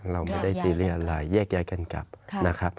เราไม่ได้เรียกอะไรแยกกันกลับนะครับ